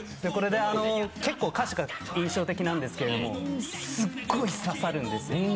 結構歌詞が印象的なんですけどすっごい刺さるんですよ。